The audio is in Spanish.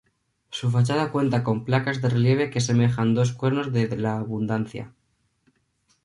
Su fachada cuenta con placas de relieve que semejan dos cuernos de la abundancia